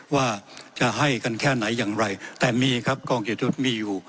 ว่าจะให้กันแค่ไหนอย่างไรแต่มีครับกองเกียรติยุทธ์มีอยู่